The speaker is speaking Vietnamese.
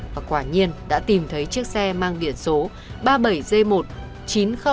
và quả nhiên đã tìm thấy chiếc xe mang biển số